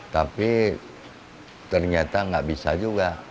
tapi ternyata nggak bisa juga